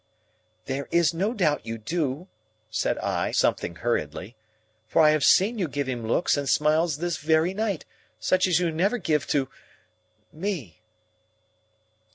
"There is no doubt you do," said I, something hurriedly, "for I have seen you give him looks and smiles this very night, such as you never give to—me."